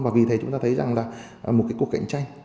và vì thế chúng ta thấy rằng là một cái cuộc cạnh tranh